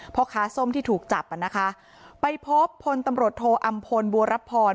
พ่อค้าส้มที่ถูกจับอ่ะนะคะไปพบพลตำรวจโทอำพลบัวรับพร